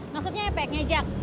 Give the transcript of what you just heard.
maksudnya epek ngejak